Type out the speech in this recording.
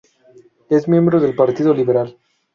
Es miembro del Partido Liberal.